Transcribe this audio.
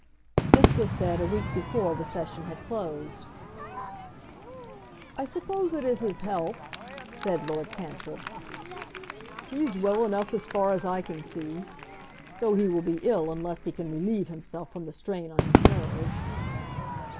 This was said a week before the Session had closed. "I suppose it is his health," said Lord Cantrip. "He's well enough as far as I can see; though he will be ill unless he can relieve himself from the strain on his nerves."